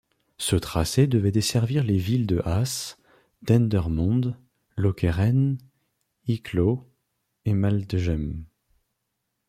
Ce tracé devait desservir les villes de Asse, Dendermonde, Lokeren, Eeklo et Maldegem.